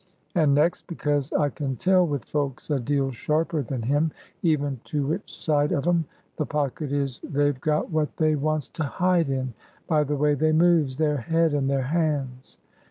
And next, because I can tell with folks a deal sharper than him, even to which side of 'em the pocket is they've got what they wants to hide in, by the way they moves their head and their hands."